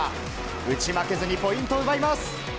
打ち負けずにポイントを奪います。